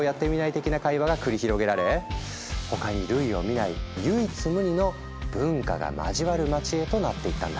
的な会話が繰り広げられ他に類を見ない唯一無二の「文化が交わる街」へとなっていったんだ。